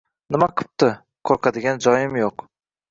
Nima qipti, qoʻrqadigan joyim yoʻq.